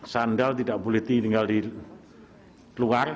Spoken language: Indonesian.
sandal tidak boleh tinggal di luar